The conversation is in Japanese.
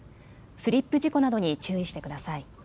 スリップ事故などに注意してください。